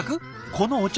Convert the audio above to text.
このお茶